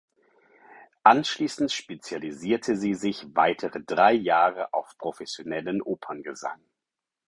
Anschließend spezialisierte sie sich weitere drei Jahre auf professionellen Operngesang.